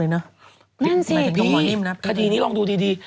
นั่นสิคดีคดีนี้ลองดูดี